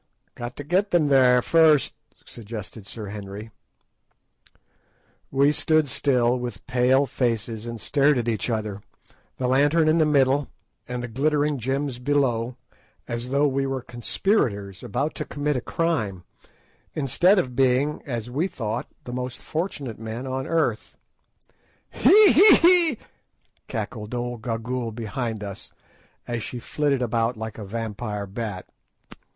"Got to get them there first," suggested Sir Henry. We stood still with pale faces and stared at each other, the lantern in the middle and the glimmering gems below, as though we were conspirators about to commit a crime, instead of being, as we thought, the most fortunate men on earth. "Hee! hee! hee!" cackled old Gagool behind us, as she flitted about like a vampire bat.